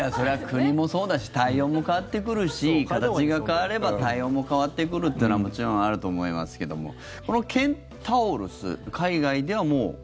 国もそうだし対応も変わってくるし形が変われば対応も変わってくるというのはもちろんあると思いますけどもこのケンタウロス海外では、もう。